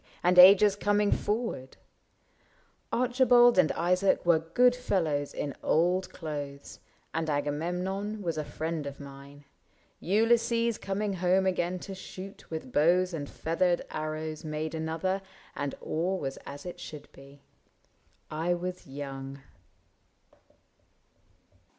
And ages coming forward : Archibald And Isaac were good fellows in old clothes And Agamemnon was a friend of mine ; 98 ISAAC AND ARCHIBALD Ulysses coming home again to shoot With bows and feathered arrows made another. And all was as it should be. I was young.